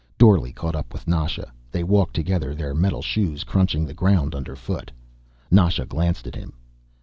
Dorle caught up with Nasha. They walked together, their metal shoes crunching the ground underfoot. Nasha glanced at him.